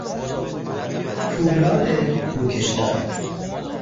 پولاد روکشدار